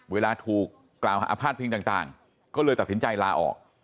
เวลาถูกกล่าวหาพาดพิงต่างก็เลยตัดสินใจลาออก